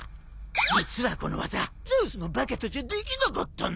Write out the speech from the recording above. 実はこの技ゼウスのバカとじゃできなかったんだ。